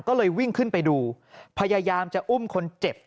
ก็เลยวิ่งขึ้นไปดูพยายามจะอุ้มคนเจ็บ